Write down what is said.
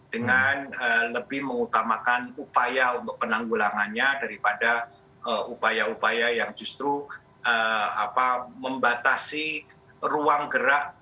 dengan lebih mengutamakan upaya untuk penanggulangannya daripada upaya upaya yang justru membatasi ruang gerak